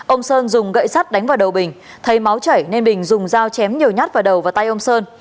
ông sơn dùng gậy sắt đánh vào đầu bình thấy máu chảy nên bình dùng dao chém nhiều nhát vào đầu và tay ông sơn